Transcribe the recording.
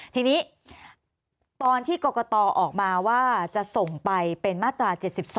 ทีนี้ตอนที่กรกตออกมาว่าจะส่งไปเป็นมาตรา๗๒